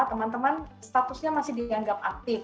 teman teman statusnya masih dianggap aktif